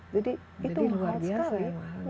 jadi itu hard sekali